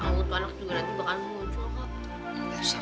takut anak juga nanti bakal muncul kok